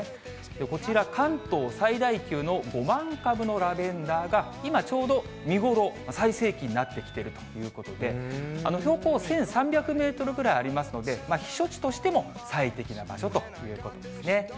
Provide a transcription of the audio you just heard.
こちら、関東最大級の５万株のラベンダーが今、ちょうど見頃、最盛期になってきているということで、標高１３００メートルぐらいありますので、避暑地としても最適な場所ということですね。